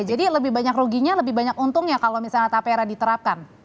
jadi lebih banyak ruginya lebih banyak untungnya kalau misalnya taperah diterapkan